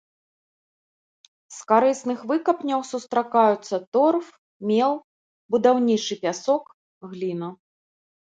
З карысных выкапняў сустракаюцца торф, мел, будаўнічы пясок, гліна.